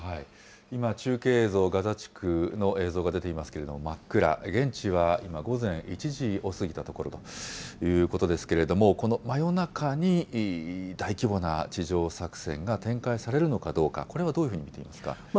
今、中継映像、ガザ地区の映像が出ていますけれども、真っ暗、現地は今、午前１時を過ぎたところということですけれども、この真夜中に大規模な地上作戦が展開されるのかどうか、これはどういうふうに見ていますか。